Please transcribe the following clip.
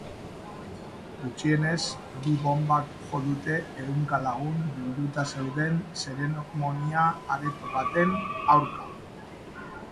Gutxienez bi bonbak jo dute ehunka lagun bilduta zeuden zeremonia areto baten aurka.